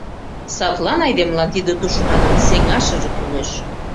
Садлан айдемылан тиде тушманым сеҥашыже кӱлеш.